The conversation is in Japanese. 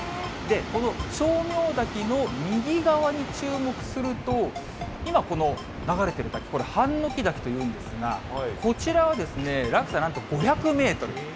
この称名滝の右側に注目すると、今、この流れている滝、これハンノキ滝というんですが、こちらは、落差なんと５００メートル。